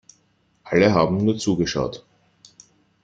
Alle haben nur zugeschaut.